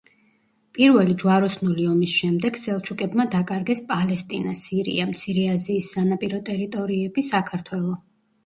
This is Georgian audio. პირველი ჯვაროსნული ომის შემდეგ სელჩუკებმა დაკარგეს პალესტინა, სირია, მცირე აზიის სანაპირო ტერიტორიები, საქართველო.